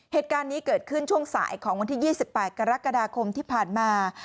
เหตุการณ์นี้เกิดขึ้นช่วงสายของวันที่๒๘กรกฎาคมที่ผ่านมา